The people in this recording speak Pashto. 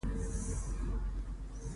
سره هندوانه خوړل کېږي.